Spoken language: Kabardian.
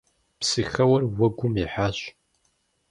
Псыхэуэр уэгум ихьащ.